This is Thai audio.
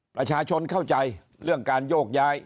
ประชาชนเข้าใจเรื่องการโยกย้าย